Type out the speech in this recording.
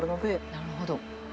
なるほど。